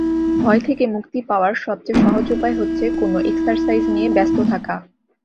ভয় থেকে মুক্তি পাওয়ার সবচেয়ে সহজ উপায় হচ্ছে, কোনো এক্সারসাইজ নিয়ে ব্যস্ত থাকা!